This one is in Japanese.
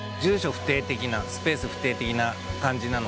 不定的なスペース不定的な感じなので。